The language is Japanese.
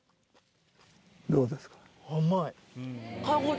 どうですか？